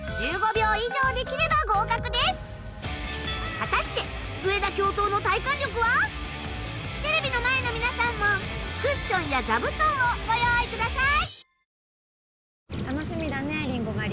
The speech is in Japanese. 果たしてテレビの前の皆さんもクッションや座布団をご用意ください。